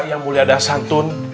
yang mulia dasantun